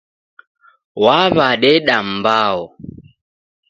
W'aw'adeda mbao.